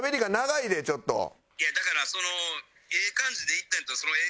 「いやだからその」